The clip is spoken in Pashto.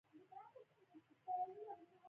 د خپلو بې خرطه ډالري کڅوړو په زور غواړي.